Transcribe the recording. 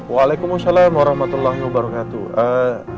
waalaikumsalam warahmatullahi wabarakatuh